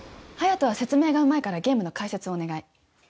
隼人は説明がうまいからゲームの解説をお願い